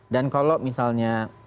dan kalau misalnya